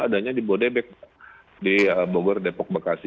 adanya di bodebek di bogor depok bekasi